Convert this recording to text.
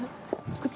◆こっち？